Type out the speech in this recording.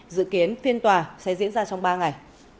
dự kiến phiên tòa sẽ diễn ra trong ba ngày